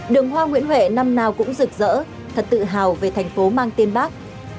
đường hoa nguyễn huệ năm nào cũng rực rỡ thật tự hào về thành phố mang tên bác